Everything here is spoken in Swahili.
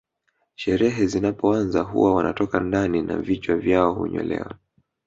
Sherehe zinapoanza huwa wanatoka ndani na vichwa vyao hunyolewa